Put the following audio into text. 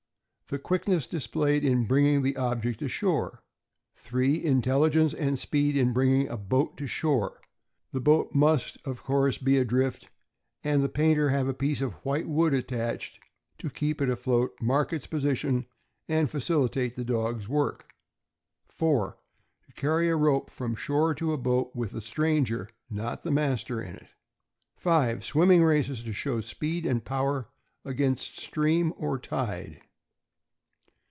The quickness displayed in bringing the object ashore. • 592 THE AMERICAN BOOK OF THE DOG. 3. Intelligence and speed in bringing a boat to shore. The boat must, of course, be adrift, and the painter have a piece of white wood attached to keep it afloat, mark its position, and facilitate the dog's work. 4. To carry a rope from shore to a boat with a stranger, not the master, in it. 5. Swimming races, to show speed and power against stream or tide.